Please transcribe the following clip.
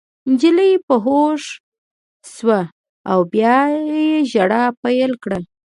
نجلۍ په هوښ شوه او بیا یې ژړا پیل کړه